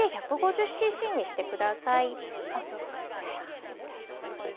これぐらいです。